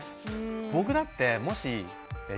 僕だってもしえっ！